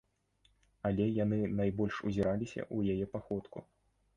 Але яны найбольш узіраліся ў яе паходку.